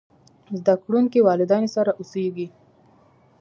زده کړونکي والدينو سره اوسېږي.